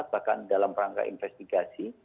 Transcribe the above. bahkan dalam rangka investigasi